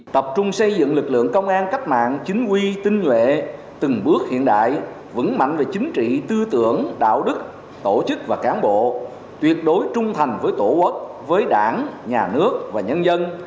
tập trung xây dựng lực lượng công an cách mạng chính quy tinh nhuệ từng bước hiện đại vững mạnh về chính trị tư tưởng đạo đức tổ chức và cán bộ tuyệt đối trung thành với tổ quốc với đảng nhà nước và nhân dân